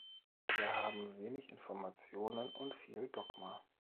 Wir haben wenig Informationen und viel Dogma.